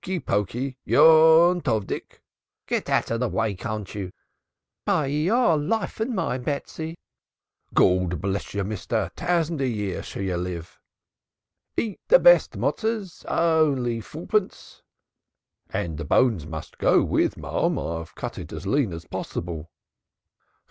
Hokey " "Get out of the way, can't you " "By your life and mine, Betsy " "Gord blesh you, mishter, a toisand year shall ye live." "Eat the best Motsos. Only fourpence " "The bones must go with, marm. I've cut it as lean as possible."